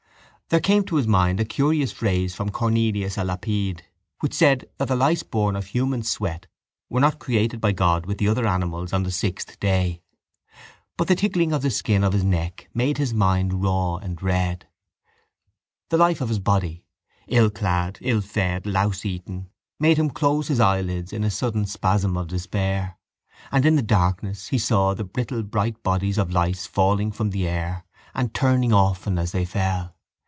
There came to his mind a curious phrase from Cornelius a Lapide which said that the lice born of human sweat were not created by God with the other animals on the sixth day. But the tickling of the skin of his neck made his mind raw and red. The life of his body, ill clad, ill fed, louse eaten, made him close his eyelids in a sudden spasm of despair and in the darkness he saw the brittle bright bodies of lice falling from the air and turning often as they fell.